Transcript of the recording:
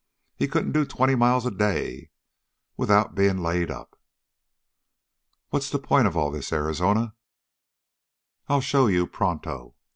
He couldn't do twenty miles in a day without being laid up." "What's the point of all this, Arizona?" "I'll show you pronto.